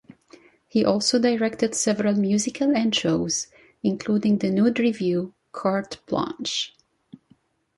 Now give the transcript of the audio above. He also directed several musical and shows, including the nude revue "Carte Blanche".